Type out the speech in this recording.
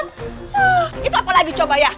hah itu apalagi coba ya